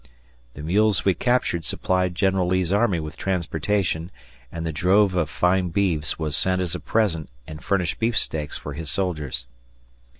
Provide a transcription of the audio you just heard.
The mules we captured supplied General Lee's army with transportation, and the drove of fine beeves was sent as a present and furnished beefsteaks for his soldiers.